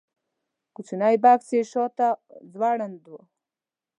کوچنی بکس یې شاته ځوړند و.